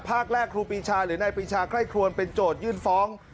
ภาคแรกครูปีชาหรือนายปีชาไคร่ครวนเป็นโจทยื่นฟ้อง